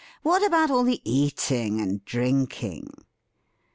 What about all the eating and drinking?"